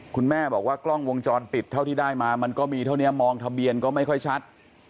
คุณแม่บอกว่ากล้องวงจรปิดเท่าที่ได้มามันก็มีเท่านี้มองทะเบียนก็ไม่ค่อยชัด